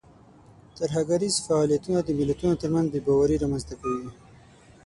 ترهګریز فعالیتونه د ملتونو ترمنځ بې باوري رامنځته کوي.